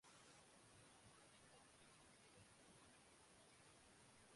না না, খুব সাবধান থাকবেন।